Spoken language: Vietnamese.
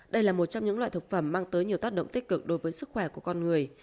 đây là một trong những loại thực phẩm mang tới nhiều tác động tích cực đối với sức khỏe của con người